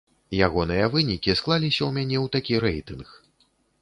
Ягоныя вынікі склаліся ў мяне ў такі рэйтынг.